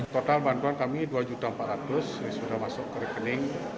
total bantuan kami dua empat ratus ini sudah masuk ke rekening